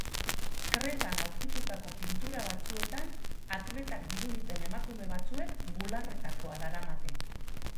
Kretan aurkitutako pintura batzuetan, atletak diruditen emakume batzuek bularretakoa daramate.